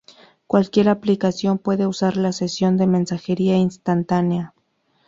Cualquier aplicación puede usar la sesión de mensajería instantánea.